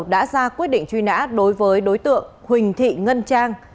đã ra quyết định truy nã đối với đối tượng huỳnh thị ngân trang